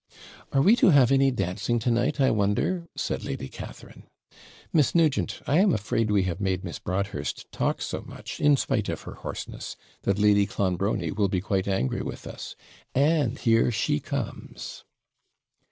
'Are we to have any dancing to night, I wonder?' said Lady Catharine. 'Miss Nugent, I am afraid we have made Miss Broadhurst talk so much, in spite of her hoarseness, that Lady Clonbrony will be quite angry with us. And here she comes!'